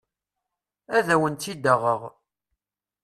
Ad awen-tt-id-aɣeɣ.